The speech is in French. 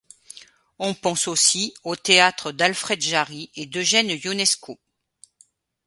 On pense aussi au théâtre d'Alfred Jarry et d'Eugène Ionesco.